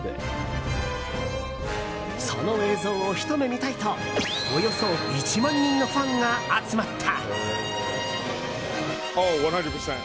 その映像を、ひと目見たいとおよそ１万人のファンが集まった。